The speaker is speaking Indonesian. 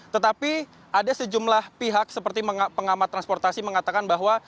tetapi ada sejumlah pihak seperti pengamat transportasi mengatakan bahwa